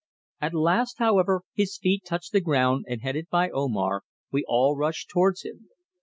At last, however, his feet touched the ground and headed by Omar, we all rushed towards him.